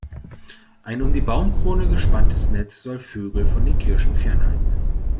Ein um die Baumkrone gespanntes Netz soll Vögel von den Kirschen fernhalten.